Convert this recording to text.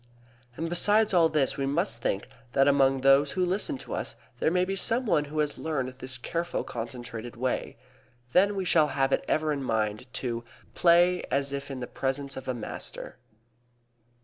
And besides all this we must think that among those who listen to us there may be some one who has learned this careful concentrated way. Then we shall have it ever in mind to "play as if in the presence of a master."